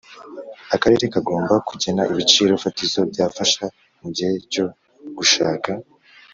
Akarere kagomba kugena ibiciro fatizo byafasha mu gihe cyo gushaka